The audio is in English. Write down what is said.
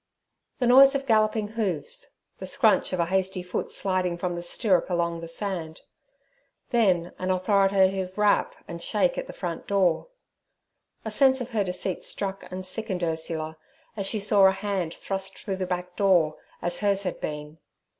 The noise of galloping hoofs: the scrunch of a hasty foot sliding from the stirrup along the sand: then an authoritative rap and shake at the front door. A sense of her deceit struck and sickened Ursula, as she saw a hand thrust through the back door, as hers had been.